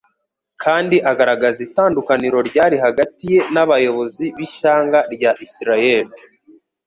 kandi agaragaza itandukaniro ryari hagati ye n'abayobozi b'ishyanga rya Isiraeli.